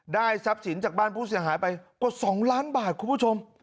ทรัพย์สินจากบ้านผู้เสียหายไปกว่า๒ล้านบาทคุณผู้ชม